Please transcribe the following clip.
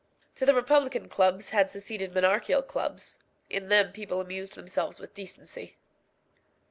To the republican clubs had succeeded monarchical clubs. In them people amused themselves with decency.